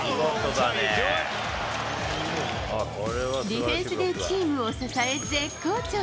ディフェンスでチームを支え、絶好調。